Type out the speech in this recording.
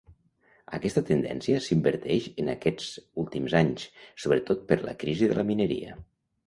Aquesta tendència s'inverteix en aquests últims anys, sobretot per la crisi de la mineria.